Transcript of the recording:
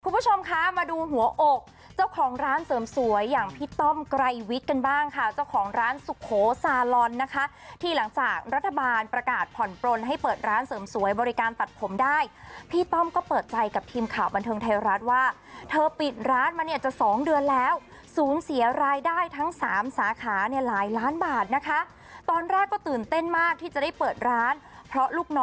คุณผู้ชมคะมาดูหัวอกเจ้าของร้านเสริมสวยอย่างพี่ต้อมไกรวิทย์กันบ้างค่ะเจ้าของร้านสุโขซาลอนนะคะที่หลังจากรัฐบาลประกาศผ่อนปลนให้เปิดร้านเสริมสวยบริการตัดผมได้พี่ต้อมก็เปิดใจกับทีมข่าวบันเทิงไทยรัฐว่าเธอปิดร้านมาเนี่ยจะสองเดือนแล้วศูนย์เสียรายได้ทั้งสามสาขาเนี่ยหลายล้านบาทนะคะตอนแรกก็ตื่นเต้นมากที่จะได้เปิดร้านเพราะลูกน